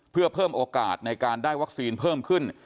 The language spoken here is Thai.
เพื่อเพิ่มโอกาสในการได้วัคซีนเพิ่มขึ้น